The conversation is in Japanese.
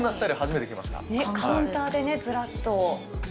カウンターでね、ずらっと。